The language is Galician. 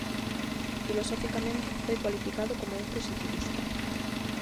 Filosoficamente, foi cualificado como un "positivista".